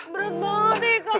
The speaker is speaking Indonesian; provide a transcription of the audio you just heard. berat banget nih kak